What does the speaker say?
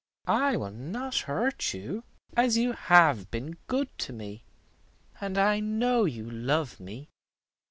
"I will not hurt you, as you have been good to me, and I know you love me.